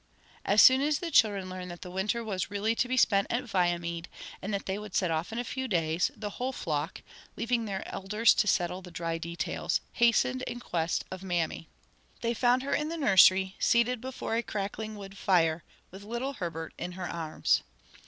As soon as the children learned that the winter was really to be spent at Viamede, and that they would set off in a few days, the whole flock leaving their elders to settle the dry details hastened in quest of "mammy." They found her in the nursery, seated before a crackling wood fire, with little Herbert in her arms.